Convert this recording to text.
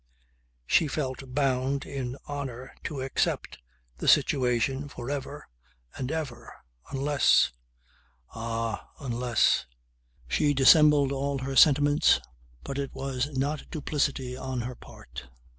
She felt bound in honour to accept the situation for ever and ever unless ... Ah, unless ... She dissembled all her sentiments but it was not duplicity on her part.